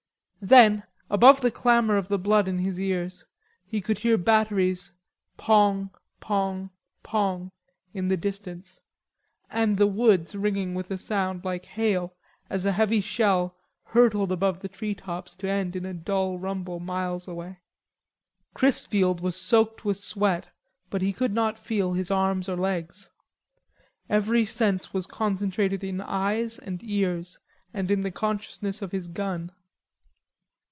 Then, above the clamour of the blood in his ears, he could hear batteries "pong, pong, pong" in the distance, and the woods ringing with a sound like hail as a heavy shell hurtled above the tree tops to end in a dull rumble miles away. Chrisfield was soaked with sweat, but he could not feel his arms or legs. Every sense was concentrated in eyes and ears, and in the consciousness of his gun.